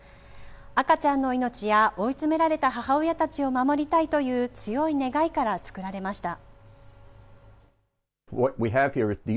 赤ちゃんの命や追い詰められた母親たちを守りたいという強い願いから作られました。